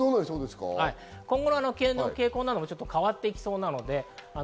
今後の傾向なども変わっていきそうです。